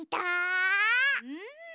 うん。